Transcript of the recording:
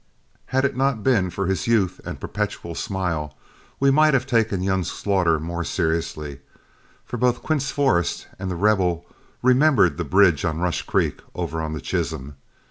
Had it not been for his youth and perpetual smile, we might have taken young Slaughter more seriously, for both Quince Forrest and The Rebel remembered the bridge on Rush Creek over on the Chisholm.